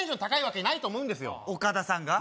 わけないと思うんですよ岡田さんが？